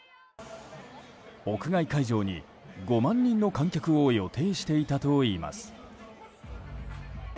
屋外会場に５万人の観客を予定していたといいます。